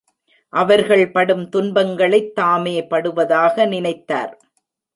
அவர்கள் படும் துன்பங்களைத் தாமே படுவதாக நினைத்தார்.